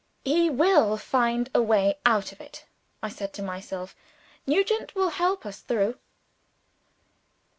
"He will find a way out of it," I said to myself, "Nugent will help us through!"